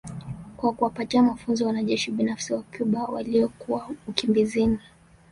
kwa kuwapatia mafunzo wanajeshi binafsi wa Cuba waliokuwa ukimbizini